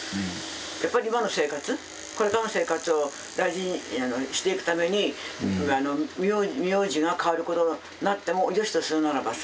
やっぱり今の生活これからの生活を大事にしていくために名字が変わることになってもよしとするならばさ